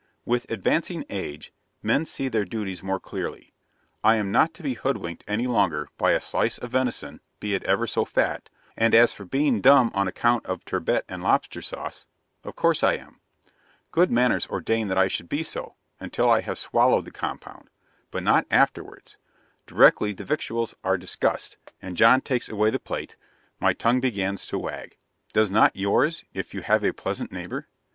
With advancing age, men see their duties more clearly. I am not to be hoodwinked any longer by a slice of venison, be it ever so fat; and as for being dumb on account of turbot and lobster sauce of course I am; good manners ordain that I should be so, until I have swallowed the compound but not afterwards; directly the victuals are discussed, and John takes away the plate, my tongue begins to wag. Does not yours, if you have a pleasant neighbour?